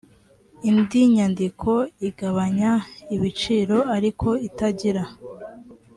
indi nyandiko igabanya ibiciro ariko itagira